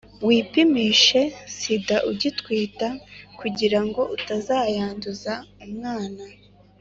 wipimishe sida ugitwita kugirango utazayanduza umwana